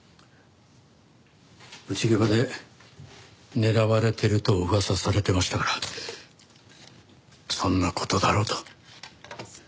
内ゲバで狙われてると噂されてましたからそんな事だろうと。